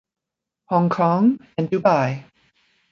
Hong Kong and Dubai.